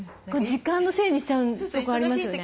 時間のせいにしちゃうとこありますよね。